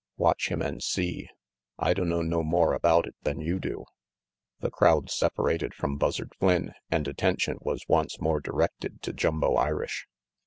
"Watch him an' see. I dunno no more about it than you do." The crowd separated from Buzzard Flynn and attention was once more directed to Jumbo Irish.